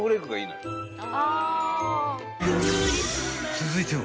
［続いては］